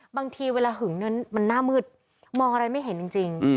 บางทีเวลาหึงมันหน้ามืดมองอะไรไม่เห็นจริง